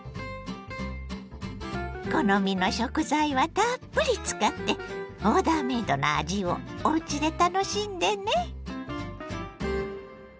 好みの食材はたっぷり使ってオーダーメイドな味をおうちで楽しんでね。